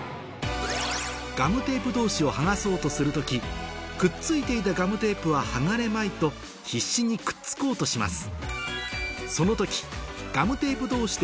ガムテープ同士をはがそうとする時くっついていたガムテープははがれまいと必死にくっつこうとします